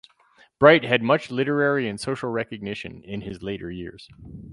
Bright had much literary and social recognition in his later years.